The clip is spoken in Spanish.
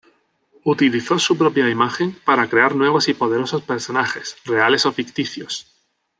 Utilizó su propia imagen para crear nuevos y poderosos personajes, reales o ficticios.